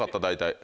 大体。